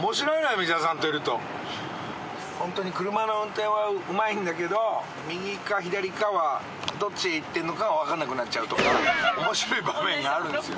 ホントに車の運転はうまいんだけど右か左かはどっち行ってんのか分かんなくなっちゃうとか面白い場面があるんすよ。